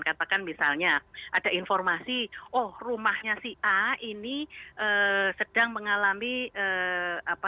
katakan misalnya ada informasi oh rumahnya si a ini sedang mengalami apa